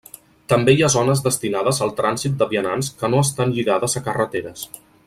També hi ha zones destinades al trànsit de vianants que no estan lligades a carreteres.